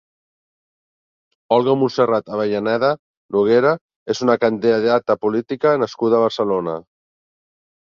Olga Montserrat Avellaneda Noguera és una candidata política nascuda a Barcelona.